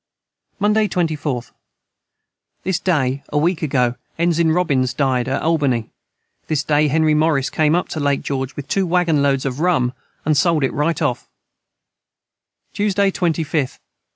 Monday 24th. This day a week ago Ensign Robins died at Albany this day Henry Morris came up to Lake George with 2 Waggon Loads of Rum and sold it right of Tuesday 25th.